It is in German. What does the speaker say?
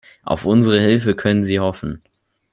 Auf unsere Hilfe können Sie hoffen.